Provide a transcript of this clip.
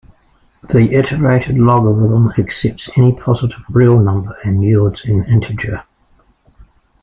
The iterated logarithm accepts any positive real number and yields an integer.